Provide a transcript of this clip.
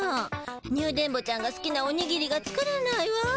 ニュ電ボちゃんがすきなおにぎりが作れないわ。